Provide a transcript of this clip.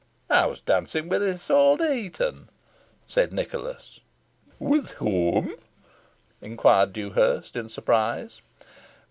"I was dancing with Isole de Heton," said Nicholas. "With whom?" inquired Dewhurst, in surprise.